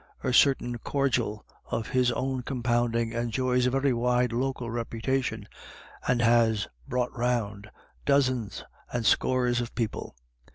A certain "corjil" of his own compounding enjoys a very wide local reputation, and has "brought round" dozens and scores of people.